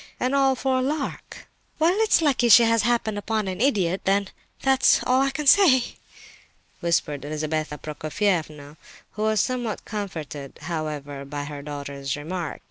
—and all for a lark!" "Well, it's lucky she has happened upon an idiot, then, that's all I can say!" whispered Lizabetha Prokofievna, who was somewhat comforted, however, by her daughter's remark.